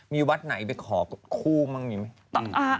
มีวัดไหนไปขอคู่บ้างอย่างนี้ไหม